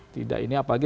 tidak ini apalagi